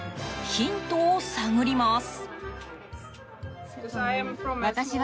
ヒントを探ります。